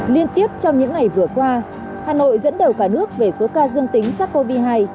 liên tiếp trong những ngày vừa qua hà nội dẫn đầu cả nước về số ca dương tính sars cov hai